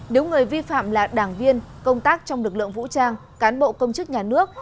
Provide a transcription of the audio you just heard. nếu người vi phạm là đảng viên công tác trong lực lượng vũ trang cán bộ công chức nhà nước